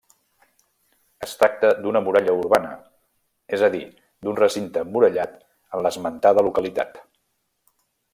Es tracta d'una muralla urbana, és a dir d'un recinte emmurallat en l'esmentada localitat.